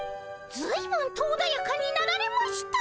ずいぶんとおだやかになられました。